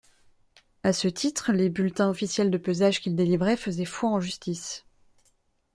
À ce titre les bulletins officiels de pesage qu’il délivrait faisait foi en justice.